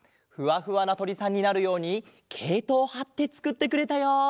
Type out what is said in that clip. ふわふわなとりさんになるようにけいとをはってつくってくれたよ。